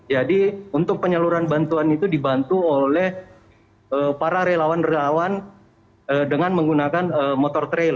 untuk penyaluran bantuan itu dibantu oleh para relawan relawan dengan menggunakan motor trail